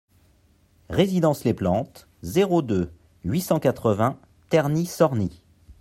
Résidence Les Plantes, zéro deux, huit cent quatre-vingts Terny-Sorny